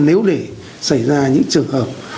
nếu để xảy ra những trường hợp